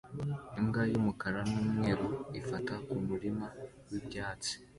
Imbwa y'umukara n'umweru ifata kumurima wibyatsi